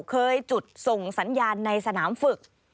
เคยจุดส่งสัญญาณในสนามฝึก